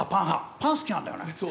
パン、好きなんだよね？